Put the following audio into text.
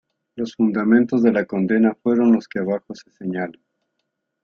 Los fundamentos de la condena fueron los que abajo se señalan.